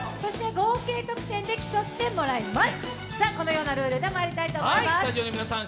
合計ポイントで競ってもらいます。